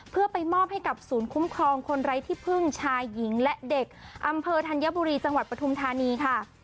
เพื่อไปมอบให้กับศูนย์คุ้มครองคนไร้ที่พึ่งชายหญิงและเด็กอำเภอธัญบุรีจังหวัดปฐุมธานีค่ะ